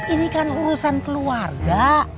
ini kan urusan keluarga